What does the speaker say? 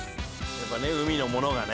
「やっぱね海のものがね」